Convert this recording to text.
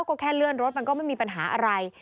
ก็แค่เลื่อนรถมันก็ไม่มีปัญหาอะไร